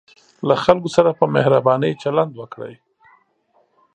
له خلکو سره په مهربانۍ چلند وکړئ.